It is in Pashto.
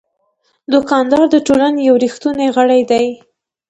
دوکاندار د ټولنې یو ریښتینی غړی دی.